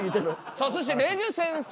さあそしてれじゅ先生